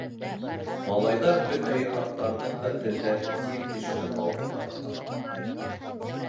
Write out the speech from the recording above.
Малайҙар бөтә йоҙаҡтарҙың да телдәрен тиҙ төшөнөп алдылар.